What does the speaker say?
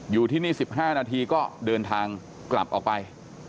อยู่ที่นี่๑๕นาทีก็เดินทางกลับออกไป